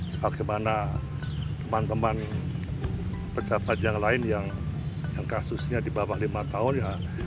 sebagaimana teman teman pejabat yang lain yang kasusnya di bawah lima tahun ya